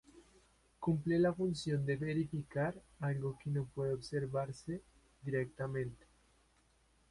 Cumple la función de verificar algo que no puede observarse directamente.